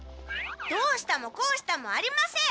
どうしたもこうしたもありません！